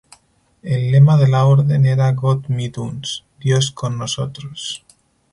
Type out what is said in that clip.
El lema de la orden era "Gott mit uns", "Dios con nosotros.